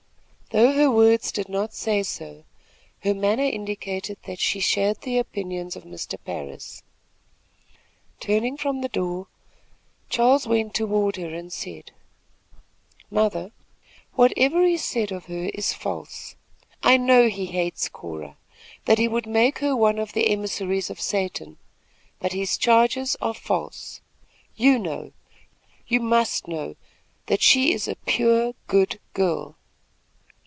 Though her words did not say so, her manner indicated that she shared the opinions of Mr. Parris. Turning from the door, Charles went toward her and said: "Mother, whatever he said of her is false. I know he hates Cora, that he would make her one of the emissaries of Satan; but his charges are false. You know you must know that she is a pure, good girl."